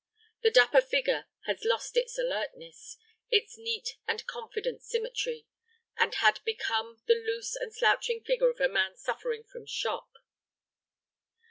The dapper figure has lost its alertness, its neat and confident symmetry, and had become the loose and slouching figure of a man suffering from shock.